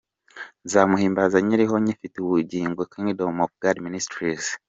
'Nzamuhimbaza nkiriho nkifite ubugingo'-Kingdom of God Ministries.